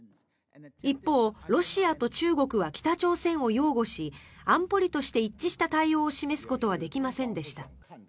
一方、ロシアと中国は北朝鮮を擁護し安保理として一致した対応を示すことはできませんでした。